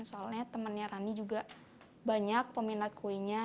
soalnya temannya rani juga banyak peminat kuenya